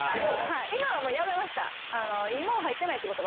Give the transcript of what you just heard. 今はもうやめました。